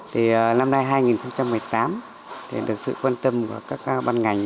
thì năm nay hai nghìn một mươi tám thì được sự quan tâm của các ban ngành